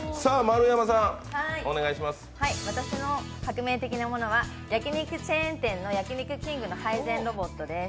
私の革命的なものは焼き肉チェーン店の焼肉きんぐの配膳ロボットです。